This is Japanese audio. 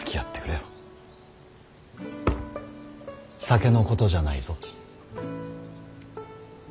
酒のことじゃないぞ。